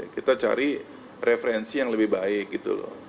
kita cari referensi yang lebih baik gitu loh